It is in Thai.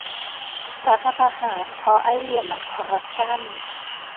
รัฐประหารเพราะไอ้เหลี่ยมมันคอรัปชั่น !